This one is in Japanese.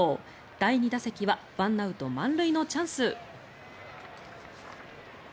第２打席は１アウト満塁のチャンス。